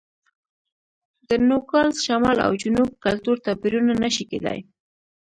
د نوګالس شمال او جنوب کلتور توپیرونه نه شي کېدای.